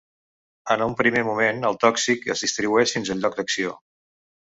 En un primer moment el tòxic es distribueix fins al lloc d’acció.